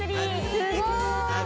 すごい！